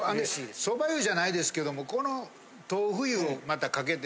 そば湯じゃないですけどもこの。